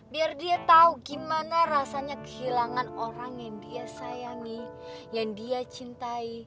biar dia tahu gimana rasanya kehilangan orang yang dia sayangi yang dia cintai